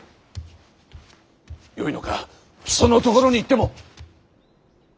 よいのか木曽のところに行っても。